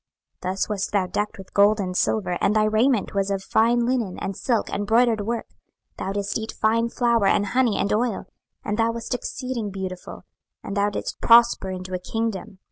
26:016:013 Thus wast thou decked with gold and silver; and thy raiment was of fine linen, and silk, and broidered work; thou didst eat fine flour, and honey, and oil: and thou wast exceeding beautiful, and thou didst prosper into a kingdom.